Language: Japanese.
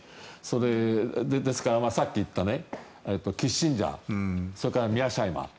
ですから、さっき言ったキッシンジャーそれからミアシャイマー。